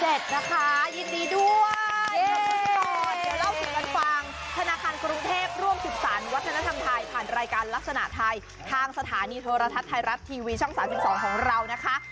เดี๋ยวเล่าสู่กันฟังธนาคารกรุงเทพร่วมสืบสารวัฒนธรรมไทยผ่านรายการลักษณะไทยทางสถานีโทรทัศน์ไทยรัฐทีวีช่อง๓๒ของเรานะคะ